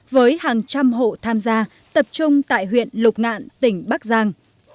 với hàng trăm hộ tham gia tập trung tại huyện lục ngạn tỉnh bắc giang